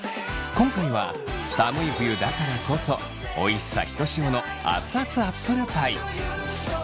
今回は寒い冬だからこそおいしさひとしおの熱々アップルパイ。